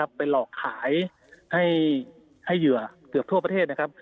ลดหรูไปหลอกขายให้เยือเกือบทั่วประเทศ